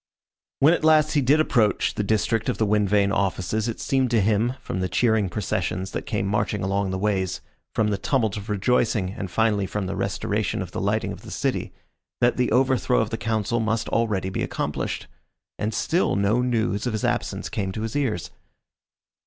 When at last he did approach the district of the wind vane offices it seemed to him, from the cheering processions that came marching along the Ways, from the tumult of rejoicing, and finally from the restoration of the lighting of the city, that the overthrow of the Council must already be accomplished. And still no news of his absence came to his ears.